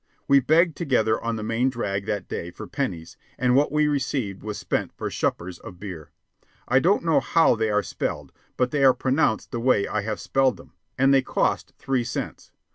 We begged together on the "main drag" that day for pennies, and what we received was spent for "shupers" of beer I don't know how they are spelled, but they are pronounced the way I have spelled them, and they cost three cents.